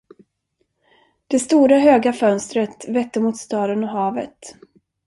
Det stora, höga fönstret vette mot staden och havet.